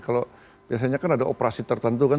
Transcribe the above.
kalau biasanya kan ada operasi tertentu kan